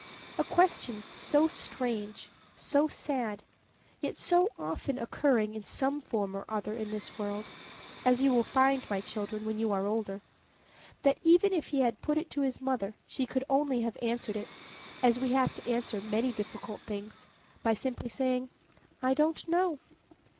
A question so strange, so sad, yet so often occurring in some form or other in this world as you will find, my children, when you are older that even if he had put it to his mother she could only have answered it, as we have to answer many as difficult things, by simply saying, "I don't know."